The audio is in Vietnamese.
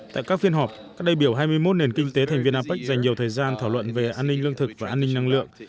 tại các phiên họp các đại biểu hai mươi một nền kinh tế thành viên apec dành nhiều thời gian thảo luận về an ninh lương thực và an ninh năng lượng